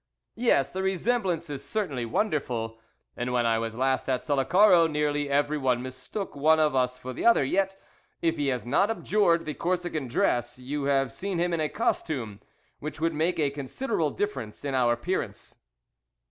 Yes, the resemblance is certainly wonderful, and when I was last at Sullacaro nearly every one mistook one of us for the other, yet, if he has not abjured the Corsican dress, you have seen him in a costume, which would make a considerable difference in our appearance."